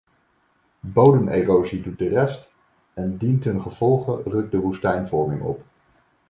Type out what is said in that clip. Bodemerosie doet de rest en dientengevolge rukt de woestijnvorming op.